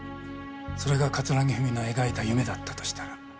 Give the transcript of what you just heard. それが桂木ふみの描いた夢だったとしたら。